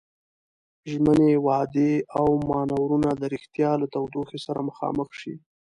ژمنې، وعدې او مانورونه د ريښتيا له تودوخې سره مخامخ شي.